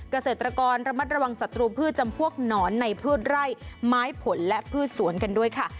เกษตรกรระมัดระวังศัตรูพืชจำพวกหนอนในพืชไร่ไม้ผลและพืชสวนกันด้วยค่ะ